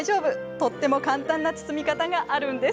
とっても簡単な包み方があるんです。